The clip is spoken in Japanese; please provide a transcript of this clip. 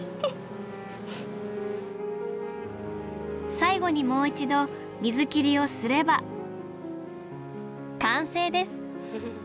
最後にもう一度水切りをすれば完成です！